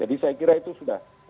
jadi saya kira itu sudah